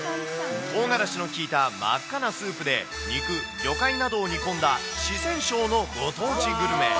とうがらしの効いた真っ赤なスープで、肉、魚介などを煮込んだ四川省のご当地グルメ。